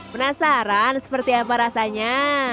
penasaran seperti apa rasanya